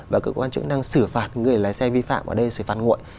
và cơ quan chức năng xử phạt người lái xe vi phạm ở đây xử phạt nguội